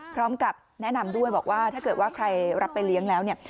พร้อมกับแนะนำด้วยบอกว่าถ้าเกิดว่าใครรับไปเลี้ยงแล้วเนี่ย